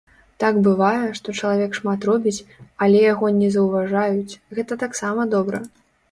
Так бывае, што чалавек шмат робіць, але яго не заўважаюць, гэта таксама добра.